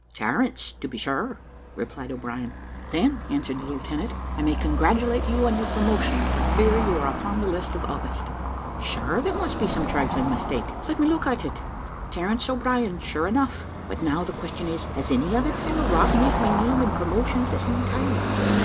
"Terence, to be sure," replied O'Brien. "Then," answered the lieutenant, "I may congratulate you on your promotion, for here you are upon the list of August." "Sure there must be some trifling mistake; let me look at it. Terence O'Brien, sure enough; but now the question is, has any other fellow robbed me of my name and promotion at the same time?